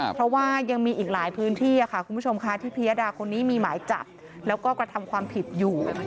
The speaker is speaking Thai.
เพราะว่ายังมีอีกหลายพื้นที่ค่ะคุณผู้ชมค่ะที่พิยดาคนนี้มีหมายจับแล้วก็กระทำความผิดอยู่